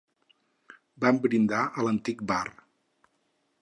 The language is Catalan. Van brindar a l'antic bar.